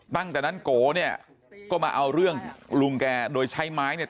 ตั้งแต่นั้นโกเนี่ยก็มาเอาเรื่องลุงแกโดยใช้ไม้เนี่ย